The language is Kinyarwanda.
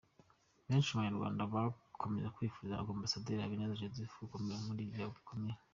Benshi mu banyarwanda bakomeje kwifuriza ambasaderi Habineza Joseph gukomera muri ibihe bikomeye.